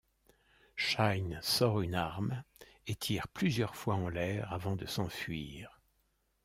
Shyne sort une arme et tire plusieurs fois en l'air avant de s'enfuir.